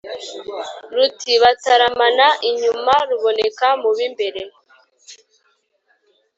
Ruti bataramana inyuma, ruboneka mu b’imbere,